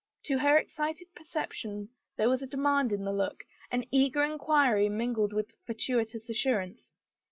To her excited perception there was demand in the look, an eager inquiry mingled with fatuous assurance.